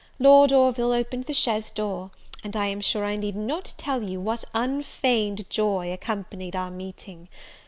Lord Orville opened the chaise door; and I am sure I need not tell you what unfeigned joy accompanied our meeting.